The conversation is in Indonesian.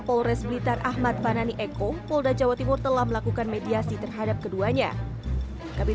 polres blitar ahmad fanani eko polda jawa timur telah melakukan mediasi terhadap keduanya kabit